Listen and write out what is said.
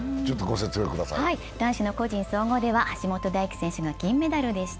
男子の個人総合では橋本大輝選手が銀メダルでした。